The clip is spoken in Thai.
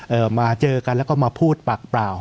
มาเจอกันแล้วก็มาพูดปากเปล่า